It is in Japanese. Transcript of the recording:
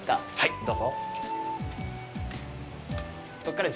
どうぞ。